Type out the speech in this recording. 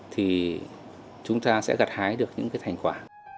thì chúng ta sẽ gặt hái được những cái thành quả